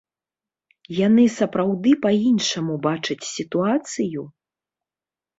Яны сапраўды па-іншаму бачаць сітуацыю?